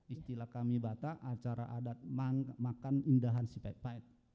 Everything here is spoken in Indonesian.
istilah kami batak acara adat makan indahan si pait pahit